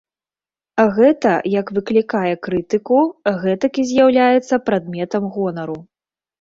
Гэта як выклікае крытыку, гэтак і з'яўляецца прадметам гонару.